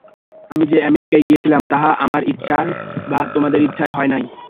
আমি যে আমেরিকায় গিয়াছিলাম, তাহা আমার ইচ্ছায় বা তোমাদের ইচ্ছায় হয় নাই।